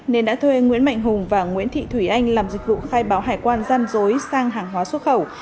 nên đã thuê nguyễn mạnh hùng và nguyễn thị thủy anh làm dịch vụ khai báo hải quan gian dối sang hàng hóa xuất khẩu